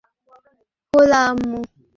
হোলা, আম্মু।